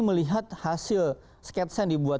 melihat hasil sketsa yang dibuat